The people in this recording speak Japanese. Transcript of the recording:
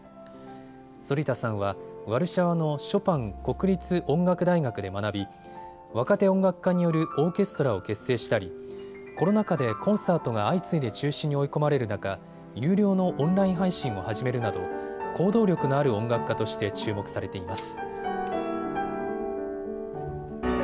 反田さんはワルシャワのショパン国立音楽大学で学び、若手音楽家によるオーケストラを結成したりコロナ禍でコンサートが相次いで中止に追い込まれる中、有料のオンライン配信を始めるなど行動力のある音楽家として注目されています。